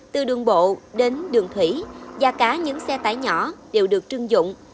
từ đường bộ đến đường thủy và cả những xe tải nhỏ đều được trưng dụng